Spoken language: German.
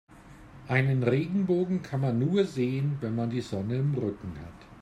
Einen Regenbogen kann man nur sehen, wenn man die Sonne im Rücken hat.